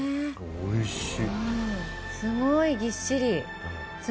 おいしい！